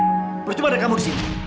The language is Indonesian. bersaing percuma ada kamu disini